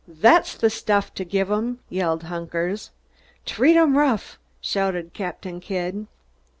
"That's the stuff to give 'em!" yelled Hunkers. "Treat 'em rough!" shouted Captain Kidd.